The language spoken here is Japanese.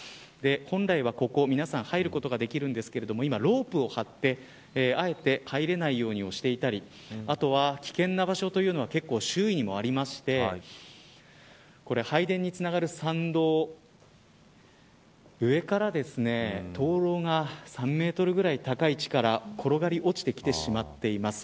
本来は、ここ皆さんが入ることができるんですが今ロープを張ってあえて入れないようにしていたりあとは危険な場所というのは結構周囲にもありまして拝殿につながる山道上から灯籠が３メートルぐらい高い位置から転がり落ちてきてしまってます。